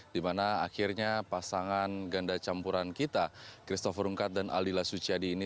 dimana akhirnya pasangan ganda campuran kita christopher rungkat dan aldila suciadi ini